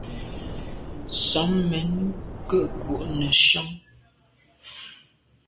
Sàm mèn ke’ ku’ nesian.